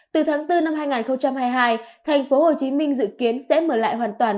từ tháng bốn năm hai nghìn hai mươi hai thành phố hồ chí minh dự kiến sẽ mở lại hoàn toàn